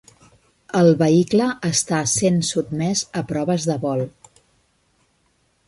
El vehicle està sent sotmès a proves de vol.